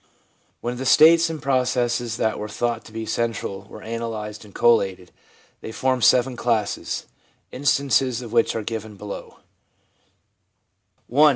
When the states and processes that were thought to be central were analysed and collated, they formed seven classes, instances of which are given below :— I.